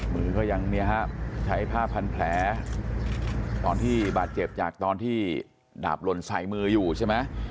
มือก็ยังเนี่ยฮะใช้ผ้าพันแผลตอนที่บาดเจ็บจากตอนที่ดาบหล่นใส่มืออยู่ใช่ไหม